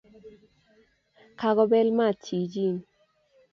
Kagobeel maat chichin